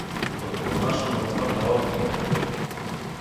Θα τον κρεμάσω να τον φαν τα όρνια